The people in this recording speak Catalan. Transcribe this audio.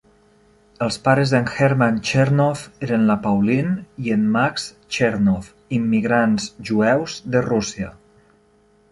Els pares d'en Herman Chernoff eren la Pauline i en Max Chernoff, immigrants jueus de Rússia.